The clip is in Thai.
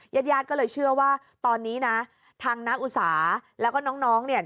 ยัดยาดก็เลยเชื่อว่าตอนนี้นะทางนักอุตสาห์แล้วก็น้องเนี่ย